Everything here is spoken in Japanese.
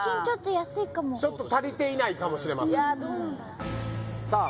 ここんとこねちょっと足りていないかもしれませんさあ